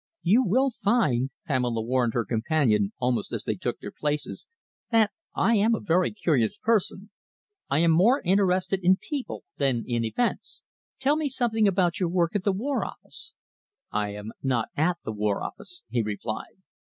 "You will find," Pamela warned her companion almost as they took their places, "that I am a very curious person. I am more interested in people than in events. Tell me something about your work at the War Office?" "I am not at the War Office," he replied.